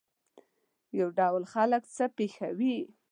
یو ډول خلک هر څه پېښوي.